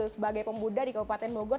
sebagai pemuda di kabupaten bogor